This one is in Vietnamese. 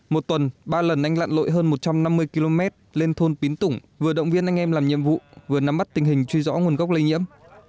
một tuần ba lần anh lặn lội hơn một trăm năm mươi km lên thôn pín tủng vừa động viên anh em làm nhiệm vụ vừa nắm bắt tình hình truy rõ nguồn gốc lây nhiễm